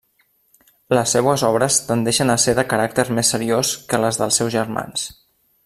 Les seues obres tendeixen a ser de caràcter més seriós que les dels seus germans.